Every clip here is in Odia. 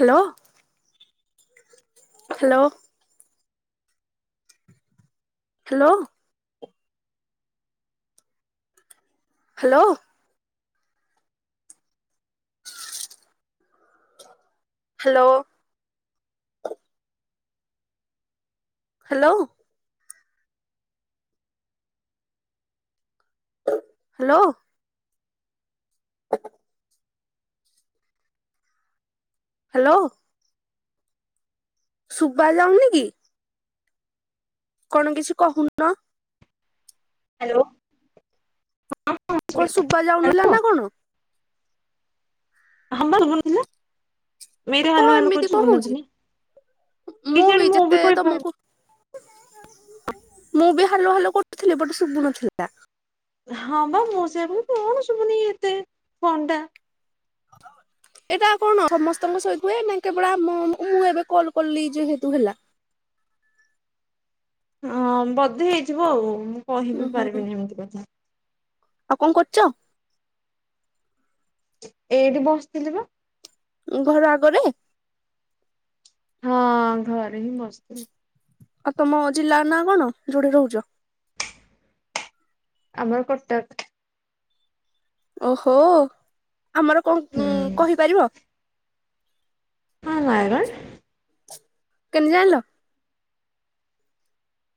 Hello. Hello. Hello. Hello hello. Hello. Hello. ହ ହ୍ୟାଲୋ। ଶୁଭା ଯାଉନି କି? କଣ କିଛି କହୁନ। ହ୍ୟାଲୋ। ହଁ ହଁ କଣ ଶୁଭିଲା ଶୁଭା ଯାଉନଥିଲା ହ୍ୟାଲୋ। ନା କଣ। ହଁ ପା ସୁଭୁ ନ ଥିଲା। ମେରେ କଣ ହାଲୋ ହାଲୋ ଏମିତି କଣ କରୁଚି ହଉଛି ବିନତିନି ମୁଁ ବି ଯେତେ ତମକୁ ମୁଁ ବି ହାଲୋ ହାଲୋ କରୁଥିଲି ବଟ୍ ଶୁଭୁନଥିଲା। ହଁ ବା ମୁଁ ସେୟା କହିଲି କଣ ଶୁବୁନି ଏତେ ଫନ୍‌ଟା। [inaudible] ଏଟା କଣ ସମସ୍ତଙ୍କ ସହିତୁଏ ନା କେବଳ ଆମ ମୁଁ ଏବେ କଲ କଲି ଯେହେତୁ ହେଲା? ହଁ ବଧେ ହେଇଯିବ ଆଉ ମୁଁ କହି ଉୁଁ ବି ହୁଁ ପାରିବିନି ଏମିତି କଥା। ଆଉ କଣ କରୁଛ। ଏଇଠି ବସିଥିଲି ବା। ଘର ଆଗରେ। ହଁ ଘରେ ହିଁ ବସ୍‌ ଥିଲି। ଆଉ ତମ ଜିଲ୍ଲାର ନାଁ କଣ ଯୋଉଠି ରହୁଛ। ଆମେ କଟକ। ଓହୋ ଆମର ହୁଁ। କଣ କହିପାରିବ। ହଁ ନୟାଗଡ଼। କେମିତି ଜାଣିଲ।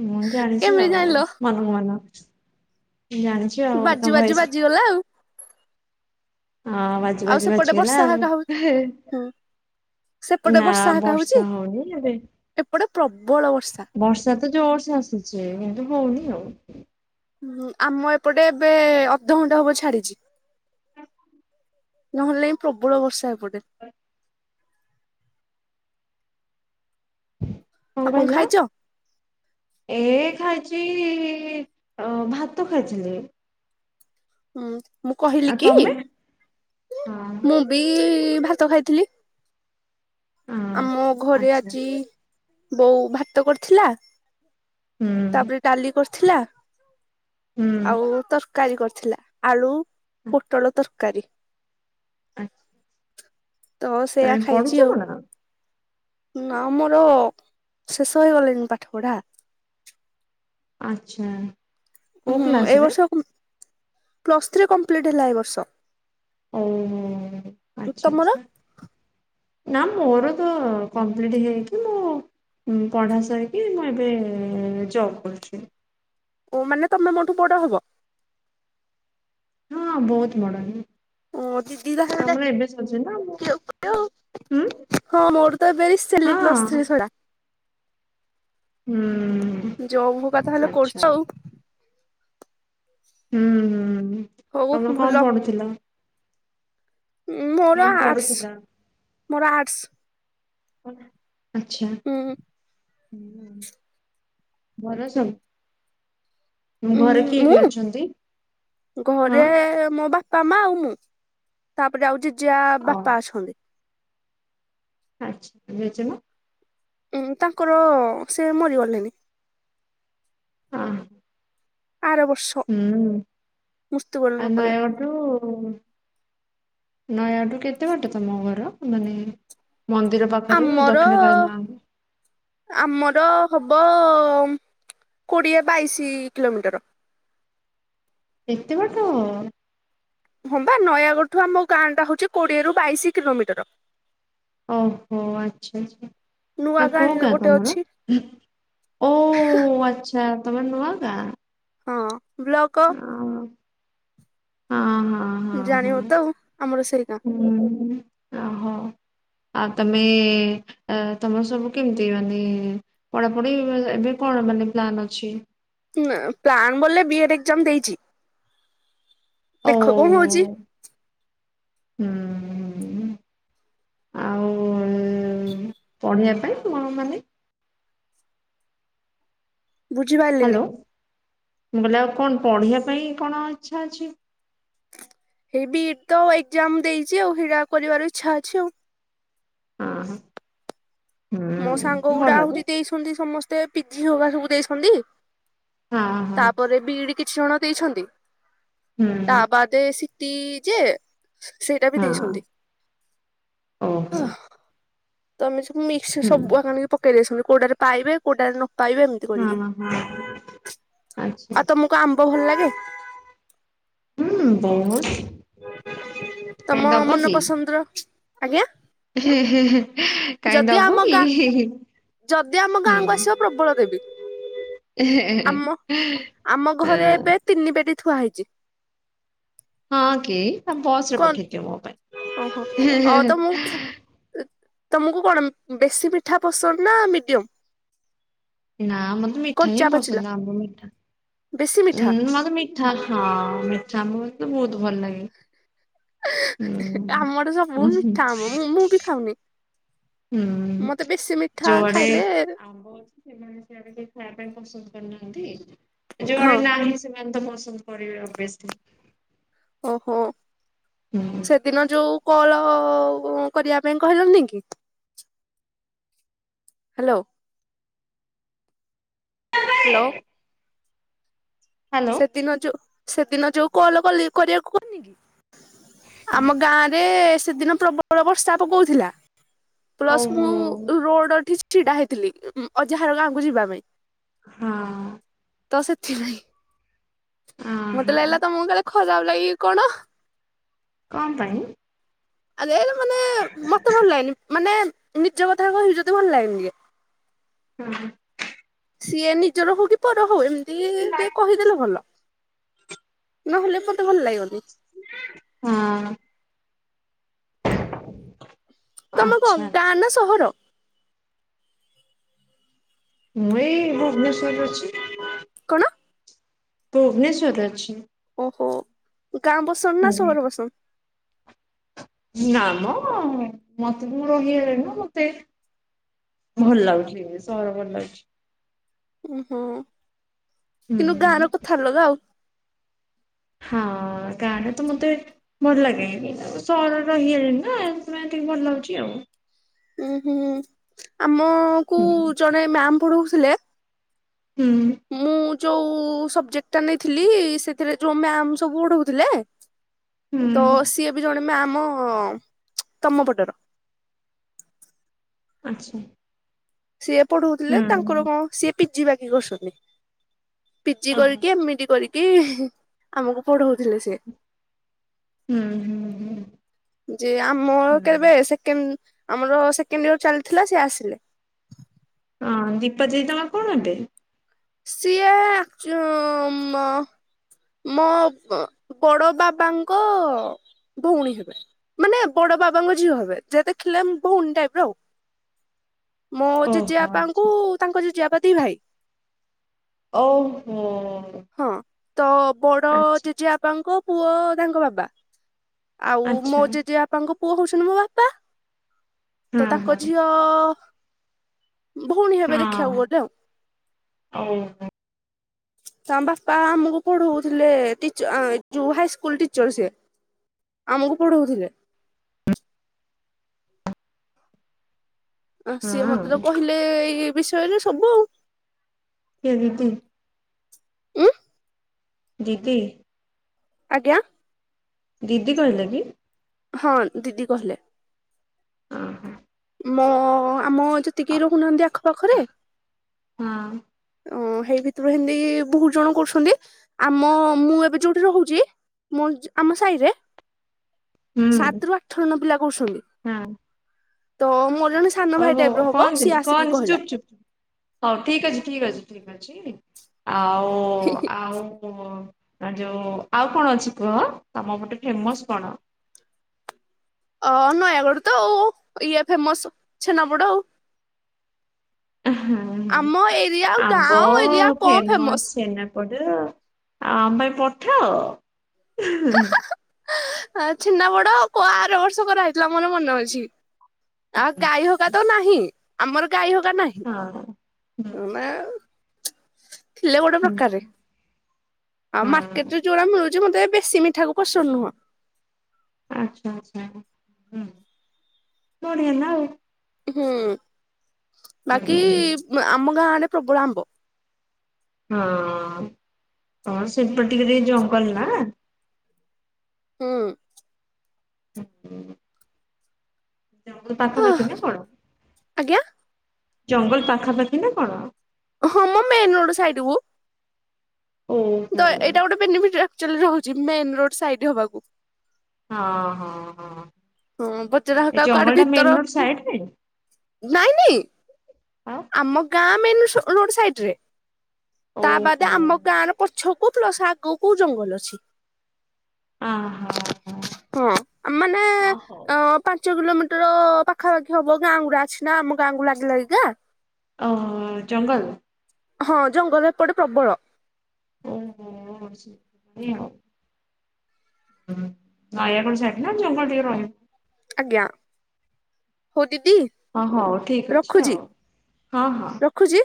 ମୁଁ ଜାଣିଛି କେମିତି ଆଉ ଜାଣିଲ ମନ କୁ ମନ ଜାଣିଛି ଆଉ ତମ ଏସି ଗଲା ଆଉ। ହଁ ବାଜୁ ଆଉ ବାଜୁ ସେପଟେ ବାଜିଗଲା ବର୍ଷା ଆଉ ହାକା ହଉ ହେ ହୁଁ ସେପଟେ ନା ବର୍ଷା ହାକା ହଉଛି ବର୍ଷା ହଉନି ଏବେ ଏପଟେ ପ୍ରବଳ ବର୍ଷା। ବର୍ଷା ତ ଜୋର୍ ସେ ଆସୁଛି କିନ୍ତୁ ହଉନି ଆଉ। ହୁଁ ଆମ ଏପଟେ ଏବେ ଅଧେ ଘଣ୍ଟେ ହବ ଛାଡିଛି। ନହେଲେ ନାଇଁ ପ୍ରବଳ ବର୍ଷା ଏପଟେ। ଆଉ କଣ କହିଲ। ଖାଇଛ? ଏ ଖାଇଛି ଭାତ ଖାଇଥିଲି। ହୁଁ ମୁଁ କହିଲି ଆଉ କି ତମେ? ହଁ ମୁଁ ବି ଭାତ ଖାଇଥିଲି। ହଁ ଆମ ଘରେ ଆଚ୍ଛା ଆଜି ବୋଉ ଭାତ କରିଥିଲା। ହୁଁ ତାପରେ ଡାଲି କରିଥିଲା ହୁଁ ଆଉ ତରକାରୀ କରିଥିଲା ଆଳୁ ପୋଟଳ ତରକାରୀ। ଆଁ। ତ ସେୟା ଖାଇଛି ଆଉ। କଣ? ନା ମୋର ଶେଷ ହେଇ ଗଲେଣିି ପାଠପଢା। ଆଛା। ହୁଁ ଏ ବର୍ଷ ପ୍ଲସ୍ ଥ୍ରୀ କମ୍ପ୍ଲିଟ ହେଲା ଏ ବର୍ଷ। ଉୁଁ ହୁଁ ଆଚ୍ଛା ତମର ଆଛା। ନା ମୋର ତ କମ୍ପ୍ଲିଟ ହେଇକି ମୁଁ ମୁଁ ପଢ଼ା ସାରିକି ମୁଁ ଏବେ ଜବ୍ କରୁଛି। ଓ ମାନେ ତମେ ମାନେ ମୋଠୁ ବଡ଼ହବ? ହଁ ବହୁତ ବଡ଼ହେବି। ଓ ଦିଦି ତାହେଲେ ନା ମୁଁ ଡାକି ବି ହୁଁ ଆଉ ହଁ ମୋର ତ ଏବେଏଇ ରିସେଣ୍ଟଲି ହଁ। ପ୍ଲସର୍ଥୀ ସରିଲା। ହୁଁ ଉଁ। ଜବ ତାହେଲେ କରୁଛ ଆଉ। ହୁଁ ହୁଁ ହୁଁ, ହଉ ତମର ଭଲ କଣ ପଡୁଥିଲା? ମୋର କଣ ଆର୍ଟସ ପଡୁଥିଲା? ମୋର ଆର୍ଟସ ଆଛା, ଉଁ ଭଲ ସବୁ। ଉଁ ଘରେ କିଏ ମୁଁ କିଏ ଅଛନ୍ତି? ହଁ। ଘରେ ମୋ ବାପା ମା ଆଉ ମୁଁ, ତାପରେ ଆଉ ଜେଜେ ଅ ବାପା ଅଛନ୍ତି। ଆଛା, ଜେଜେମା? ଉଁ, ତାଙ୍କର ସେ ମରିଗଲେଣି। ହ ଆର ବର୍ଷ ହଁ ମୃତ୍ୟୁବରଣ ଆ କଲେ ନୟାଗଡ [unintelligible] ନଯାଗଡଠୁ କେତେ ବାଟ ତମ ଘର? ମାନେ ମନ୍ଦିର ପାଖରେ ଆମର ଦକ୍ଷିଣକାଳୀମା ଆମର ହବ କୋଡିଏ ବାଇଶି କିଲୋମିଟର। ଏତେ ବାଟ? ହଁ ବା ନୟାଗଡ଼ ଠୁ ଆମ ଗାଁ ଟା ହଉଛି କୋଡିଏରୁ ବାଇଶି କିଲୋମିଟର। ଓହୋ, ଆଛା ଆଛା। ନୂଆ ତମେ କଉ ଗାଁ ଗୋଟେ ତମର? ଅଛି ଓ ଆଛା। ଆଛା ତମେ ନୁଆଗାଁ। ହଁ, ବ୍ଲକ ହଁ ହଁ ହଁ। ଜାଣିବତ, ଆମର ସେଇଗାଁ। ଆ ତମେ, ତମର ସବୁ କେମିତି ମାନେ ପଢାପଢି, ଏବେ କଣ ମାନେ ପ୍ଲାନ୍ ଅଛି? ନା, ପ୍ଲାନ ବଲେ ବିଏଡ୍ ଏକ୍ସାମ ଦେଇଛି। ଓ ଦେଖ କଣ ହଉଛି? ହୁଁ ହୁଁ ହୁଁ। ଆଉ ପଢ଼ିବା ପାଇଁ କଣ ମାନେ ବୁଝିପାରିଲିନି ହାଲୋ, ମୁଁ କହିଲି ଆଉ କଣ ପଢ଼ିବା ପାଇଁ କଣ ଇଛା ଅଛି? ହେଇ ବିଇଡି ତ ଏକ୍ଜାମ ଦେଇଛି ଆଉ, ହେଇଟା କରିବାର ଇଛା ଅଛି ଆଉ। ହଁ ହ। ମୋ ସାଙ୍ଗ ଗୁଡା ଯେ ଆହୁରି ଦେଇଛନ୍ତି ସମସ୍ତେ ପିଜି ହଗା ସବୁ ଦେଇଛନ୍ତି। ହଁ ହଁ ତାପରେ ବିଡି କିଛି ଜଣ ଦେଇଛନ୍ତି, ହୁଁ ତା ବା ସିଟି ଯେ ସେଇଟା ବି ହଁ ଦେଇଛନ୍ତି। ଓହୋ ତ ଆମେ ସବୁ ମିକ୍ସ ହୁଁ ସବୁ ପକେଇ ଦେଇଛନ୍ତି, କୋଉଟାରେ ପାଇବେ, କୋଉଟାରେ ନ ପାଇବେ, ଏମିତି କରିକି ହଁ ହଁ ଆଚ୍ଛା ଆଉ ତମ ଆମ୍ବ ଭଲ ଲାଗେ? ହୁଁ ବହୁତ। କାଇଁ ତମ ମନପସନ୍ଦର ଆଜ୍ଞା। ହେ ହେ ହେ କାଇଁ ଯଦି ଆମ ଦବୁ କି? ଗାଁ ହିଁ ହିଁ ଯଦି ଆମ ଗାଁକୁ ଆସିବ? ପ୍ରବଳ ଦେବି। ଆମ ଆମ ଘରେ ହଁ ଏବେ ତିନି ପେଟି ଥୁଆ ହେଇଛି। ହଁ କି, ତମେ ବସ ରେ କଣ ପଠେଇଦିଅ ମୋ ପାଇଁ। ଓହୋ ହେ ଅ ହେ ତମକୁ ତମକୁ କଣ ବେଶୀ ମିଠା ପସନ୍ଦ ନା ମିଡିୟମ? ନା ମତେ ମିଠା ହିଁ କଞ୍ଚା ପାଚିଲା ପସନ୍ଦ, ଆମ୍ବ ମିଠା, ବେଶୀ ଉଁ ମିଠା ମତେ ମିଠା ମିଠା ହଁ, ମିଠା ଆମ୍ବ ମତେ ବହୁତ ଭଲ ଲାଗେ। ଆମର ସବୁ ହୁଁ ମିଠା ଆମ୍ବ ମୁ ମୁଁ ବି ଖାଉନି। ହୁଁ ମତେ ବେଶୀ ମିଠା ଜଡେ ଖାଇଲେ ଆମ୍ବ। ସେମାନେ ସେଆଡେ କିଏ ଖାଇବା ପାଇଁ ପସନ୍ଦ କରିନାହାନ୍ତି। ହଁ ଯୋଉମାନେ ନନ ସେମାନେ ତ ପସନ୍ଦ କରିବେ ଅବଭିଅସ୍ଲି। ଓହୋ ହ୍ୟାଲୋ ସେଦିନ ଯୋଉ କଲ କରିବା ପାଇଁ କହିନଥିଲି କି? ହ୍ୟାଲୋ। ହ୍ୟାଲୋ। ସେ ଦିନ ଯୋଉ ସେଦିନ ଯୋଉ କଲ କାଲି କରିବାକୁ କହିନି କି? ଆମ ଗାଁ ରେ ସେଦିନ ପ୍ରବଳ ବର୍ଷା ପକଉଥିଲା। ପ୍ଲସ ଓହୋ ମୁଁ ରୋଡ ଠି ଛିଡା ହେଇଥିଲି ଅଜା ହର ଗାଁକୁ ଯିବା ପାଇଁ। ହଁ। ତ ସେଥି ପାଇଁ ମତେ ଅହୋ ଲାଗିଲା ତମକୁ କାଳେ ଖରାପ ଲାଗିବକି କଣ? କଣ ପାଇଁ? ଆରେ ଏ ମାନେ ମତେ ଭଲ ଲାଗେନି ମାନେ ନିଜ କଥା କହିବୁ ଯଦି ଭଲ ଲାଗେନି। ହୁଁ ହୁଁ। ସିଏ ନିଜର ହଉ କି ପର ହଉ ଏମିତି ଟିକେ ହଁ କହିଦେଲେ ଭଲ। ନହେଲେ ମତେ ଭଲ ଲାଗିବନି। ହଁ। ତମେ ଆଚ୍ଛା କଣ ଗାଁ ନା ସହର? ମୁଁ ଏଇ ଭୁବନେଶ୍ଵର ରେ ଅଛି। କଣ? ଭୁବନେଶ୍ଵରରେ ଅଛି। ଓହୋ ଗାଁ ପସନ୍ଦ ନା ହୁଁ। ସହର ପସନ୍ଦ? ନାଁ ମ ମତେ ମୁଁ ରହିଗଲିଣିନା ମତେ ଭଲ ଲାଗୁଛି ସହର ଭଲ ଲାଗୁଛି। ଓହୋ ହୁଁ କିନ୍ତୁ ଗାଁ ର କଥା ଅଲଗା ଆଉ। ହଁ ଗାଁରେ ତ ମତେ ଭଲ ଲାଗେନି ସହରରେ ରହିଆଇଲିଣି ନା ସେଥିପାଇଁ ଟିକେ ଭଲ ଲାଗୁଛି ଆଉ। ଉୁଁ ହୁଁ ହୁଁ ଆମକୁୁ ହୁଁ। ଜଣେ ମ୍ୟାାମ ପଢଉଥିଲେ ହୁଁ। ମୁଁ ଯୋଉ ସବଜେକ୍ଟ ଟା ନେଇଥିଲି ସେଥିରେ ଯୋଉ ମ୍ୟାମ ସବୁ ଉଡଥିଲେ। ତ ହୁଁ ସିଏ ବି ଜଣେ ମ୍ୟାମ ତମ ପଟର। ଆଚ୍ଛା। ସିଏ ପଢଉଥିଲେ ତାଙ୍କର ହୁଁ। କଣ ସିଏ ପିଜି ବାକି କରୁଛନ୍ତି। ପିଜି ଓହୋ କରିକି ଏମ ଇ ଡି କରିକି ଆମକୁ ପଢଉଥିଲେ ସେ। ହୁଁ ହୁଁ। ହୁଁ। ଯେ ଆମର କେବେ ହୁଁ। ସେକେଣ୍ଡ ଆମର ସେକେଣ୍ଡ ଇୟର ଚାଲିଥିଲା ସେ ଆସିଲେ। ହଁ ଦୀପାଜୀ ତମର କଣ ହେବେ? ସିଏ ଏକ୍ଟୁଚ ମ ମୋ ବଡ ବାବାଙ୍କ ଭଉଣୀ ହେବେ। ମାନେ ବଡ ବାବାଙ୍କ ଝିଅ ହେବେ ଯେ ଦେଖିଲେ ଭଉଣୀ ଟାଇପ ର ଆଉ। ମୋ ଓହୋ ଜେଜେବାପାଙ୍କୁ ଆଚ୍ଛା ତାଙ୍କ ଜେଜେବାପା ଦିଭାଇ। ଓ ହୁଁ। ହଁ ତ ବଡ ଜେଜେ ବାପାଙ୍କ ପୁଅ ତାଙ୍କ ବାପା। ଆଉ ମୋ ଆଚ୍ଛା ଜେଜେ ବାପାଙ୍କ ପୁଅ ହଉଛନ୍ତି ମୋ ବାପା ତ ହଁ ତାଙ୍କ ହଁ ଝିଅ ତ ଭଉଣୀ ହେବେ ଦେଖିବାକୁ ଗଲେ ଆଉ। ହଉ। ତାଙ୍କ ବାପା ଆମକୁ ପଢଉଥିଲେ ଟିଚଆ ଯୋଉ ହାଇସ୍କୁଲ ଟିଚର ସିଏ। ଆମକୁ ପଢଉଥିଲେ। ଆ ସିଏ ମତେ ତ ହଁ କହିଲେ ଏଇ ବିଷୟରେ ସବୁ ଆଉ। କେମିତି। ଉଁ। ଦିଦି। ଆଜ୍ଞା। ଦିଦି କହିଲ କି। ହଁ ଦିିଦିିି କହିଲେ। ଅ ହଁ। ମୋ ଆମ ଯେତିକି ରହୁନାହାନ୍ତି ଆଖପାଖରେ ହୁଁ। ଅ ହେଇ ଭିତରୁ ହେମ୍ତି ବହୁତ ଜଣ କରୁଛନ୍ତି ଆମ ମୁଁ ଏବେ ଯୋଉଠି ରହୁଚି ମୁଁ ଯ ଆମ ସାଇରେ ହୁଁ ସାତରୁୁ ଆଠ ଜଣ ପିଲା କରୁଛନ୍ତି ହଁ ତ ମୋର ଜଣେ ସାନ ଭାଇ ଓହୋ ଟାଇପ ର କଣ ହବ ସିଏ ଦିଦି କଣ ଆସିକି କହିଲା। ଚୁପ୍ ଚୁପ୍ ଚୁପ୍। ହଉ ଠିକ୍ ଅଛି ଠିକ୍ ଅଛି ଠିକ୍ ଅଛି ଆଉ ଆଉ କ ଆ ଯୋଉ ଆଉ କଣ ଅଛି କୁହ ତମ ପଟେ ଫେମସ କଣ। ଅ ନୟାଗଡ଼ ତ ଆଉ ଇଏ ଫେମସ ଛେନାପୋଡ ଆଉ। ହଁ ହୁଁ ଆମ ଏରିଆ ଆମ୍ବ ଗାଁ ଏରିଆ କଣ ଫେମସ ଫେମସ୍ ଛେନା ପୋଡ଼ ଆଉ ଆମ ପାଇଁ ପଠାଅ। ଆ ଛେନା ପଡ କ ଆର ବର୍ଷ କରାହେଇଥିଲା ମୋର ମନେ ଅଛି। ଆ ଗାଈ ହକା ତ ନାହିଁ ଆମର ଗାଈ ହକା ନାହିଁ। ହଁ ହୁଁ। ମାଉ ଥିଲେ ଗୋଟେ ହୁଁ ପ୍ରକାରେ। ଆଉ ହଁ ମାର୍କେଟରେ ଯୋଉରା ମିଳୁଚି ମୋତେ ବେଶୀ ମିଠାକୁ ପସନ୍ଦ ନୁହଁ। ଆଚ୍ଛା ଆଚ୍ଛା ହୁଁ ବଢ଼ିଆ ନା ଆଉ। ହୁଁ ବାକି ଆମ ଗାଁ ଆଡ଼େ ପ୍ରବଳ ଆମ୍ବ। ହଁ ତମର ସେପଟେ ଟିକେ ଟିକେ ଜଙ୍ଗଲ ନା। ହୁଁ। ଉଁ ହୁଁ। ଜଙ୍ଗଲ ହୁଁ ପାଖାପାଖି ନା କଣ ଆଜ୍ଞା ଜଙ୍ଗଲ ପାଖାପାଖି ନା କଣ। ହଁ ମ ମେନ୍ ରୋଡ ସାଇଡ କୁ। ଓହୋ ତ ଏଇଟା ଗୋଟେ ବେନିଫିଟ ଆକ୍ଚୁଆଲି ରହୁଛି ମେନ ରୋଡ ସାଇଡ ହବାକୁ। ହଁ ହଁ ହଁ। ହଁ ବଜରା ଏ ହକା ଜଙ୍ଗଲ କୁଆଡ ଟା ମେନ ଭିତର ରୋଡ ସାଇଡରେ? ନାଇଁ ନାଇଁ। ଆଉ ଆମ ଗାଁ ମେନ ସ ରୋଡ ସାଇଟି ରେ ତା ବାଦେ ଓହୋ ଆମ ଗାଁ ର ପଛ କୁ ପ୍ଲସ ଆଗକୁ ଜଙ୍ଗଲରେ ଅଛି। ଅ ହଁ ହଁ ହଁ ମାନେ ଅ ପାଞ୍ଚ କିଲୋମିଟର ପାଖାପାଖି ହବ ଗାଁ ଗୁଡ଼ା ଅଛି ନା ଆମ ଗାଁକୁୁ ଲାଗିଲାଗିକା। ଅ ହ ଜଙ୍ଗଲ। ହଁ ଜଙ୍ଗଲ ଏପଟେ ପ୍ରବଳ। ଓହୋ ସେ ଏଇ ଆଉ। ନୟାଗଡ ସାଇଟ ନା ଜଙ୍ଗଲ ଟିକେ ରହେ। ଆଜ୍ଞା ହଉ ଦିଦି ହଁ ହଉ ଠିକ ଅଛି ଆଉ ହଁ ହଁ। ଖୁଚି।